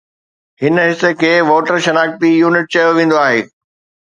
هن حصي کي ووٽر شناختي يونٽ چيو ويندو آهي